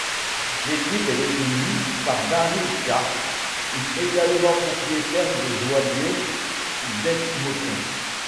L'équipe est détenue par Daryl Katz, également propriétaire des Oilers d'Edmonton.